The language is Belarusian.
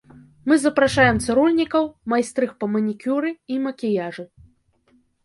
Мы запрашаем цырульнікаў, майстрых па манікюры і макіяжы.